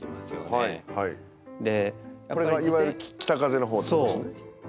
これはいわゆる北風のほうってことですよね。